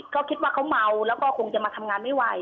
ก็คิดว่าเขาเมาแล้วก็คงจะมาทำงานไม่ไหว